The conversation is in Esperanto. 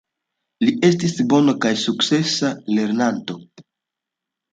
Li estis bona kaj sukcesa lernanto.